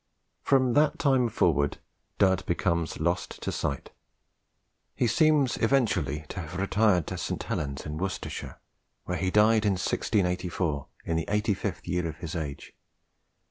From that time forward, Dud becomes lost to sight. He seems eventually to have retired to St. Helen's in Worcestershire, where he died in 1684, in the 85th year of his age.